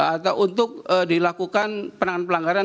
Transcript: atau untuk dilakukan penanganan pelanggaran